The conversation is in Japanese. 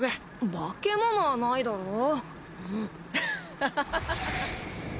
化け物はないだろ。ハハハ。